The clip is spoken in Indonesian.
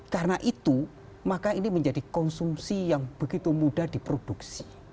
karena itu maka ini menjadi konsumsi yang begitu mudah diproduksi